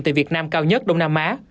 từ việt nam cao nhất đông nam á